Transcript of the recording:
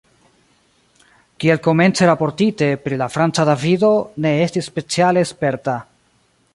Kiel komence raportite, pri la Franca Davido ne estis speciale sperta.